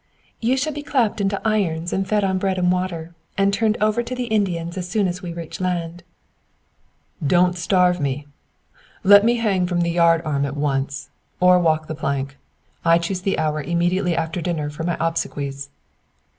"You shall be clapped into irons and fed on bread and water, and turned over to the Indians as soon as we reach land." "Don't starve me! Let me hang from the yard arm at once, or walk the plank. I choose the hour immediately after dinner for my obsequies!"